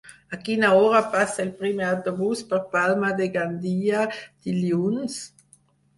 A quina hora passa el primer autobús per Palma de Gandia dilluns?